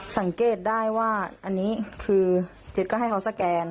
สังเกตได้ว่าอันนี้คือเจ็ดก็ให้เขาสแกน